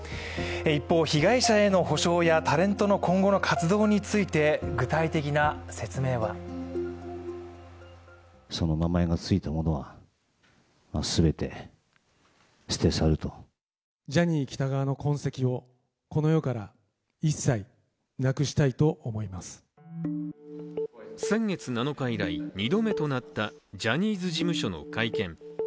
一方、被害者への補償やタレントの今後の活動について、具体的な説明は先月７日以来、２度目となったジャニーズ事務所の会見。